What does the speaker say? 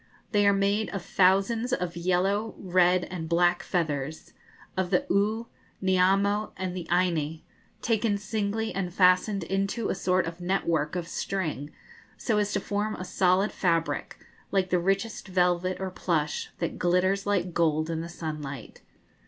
They are made of thousands of yellow, red, and black feathers, of the oo, niamo, and eine, taken singly and fastened into a sort of network of string, so as to form a solid fabric, like the richest velvet or plush, that glitters like gold in the sunlight.